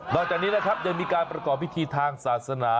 จากนี้นะครับยังมีการประกอบพิธีทางศาสนา